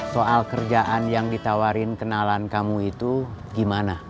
soal kerjaan yang ditawarin kenalan kamu itu gimana